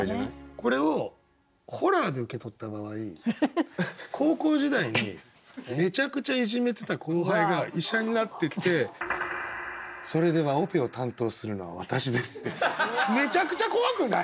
これをホラーで受け取った場合高校時代にめちゃくちゃいじめてた後輩が医者になって来て「それではオペを担当するのは私です」って「めちゃくちゃ怖くない？」